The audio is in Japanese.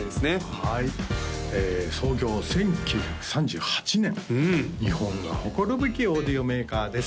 はい創業１９３８年日本が誇るべきオーディオメーカーです